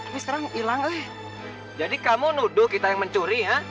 sekarang hilang eh jadi kamu nuduk kita yang mencuri ya